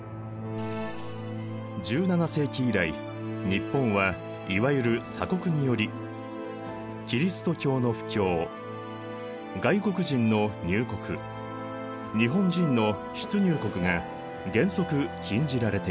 １７世紀以来日本はいわゆる鎖国によりキリスト教の布教外国人の入国日本人の出入国が原則禁じられていた。